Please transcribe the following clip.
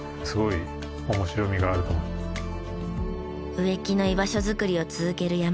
植木の居場所づくりを続ける山下さん。